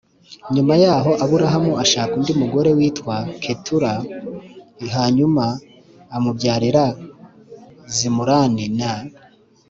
Nyuma yaho aburahamu ashaka undi mugore witwa ketura i hanyuma amubyarira zimurani na